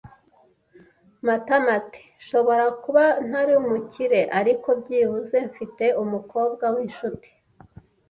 Matama ati: "Nshobora kuba ntari umukire, ariko byibuze mfite umukobwa w'inshuti."